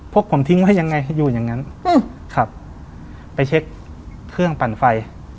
พวกผมทิ้งไว้ยังไงอยู่อย่างนั้นครับไปเช็คเครื่องปั่นไฟ